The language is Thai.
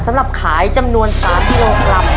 สำหรับขายจำนวน๓กิโลกรัม